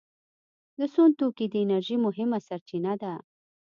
د سون توکي د انرژۍ مهمه سرچینه ده.